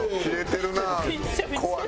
怖い。